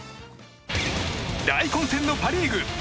大混戦のパ・リーグ。